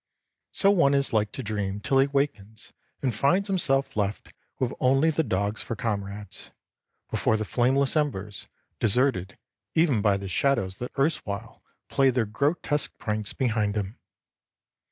So one is like to dream till he awakens and finds himself left with only the dogs for comrades, before the flameless embers, deserted even by the shadows that erstwhile played their grotesque pranks behind him.